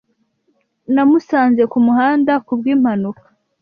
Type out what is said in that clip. Namusanze kumuhanda kubwimpanuka.